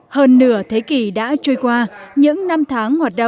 hơn nửa thế kỷ đã trôi qua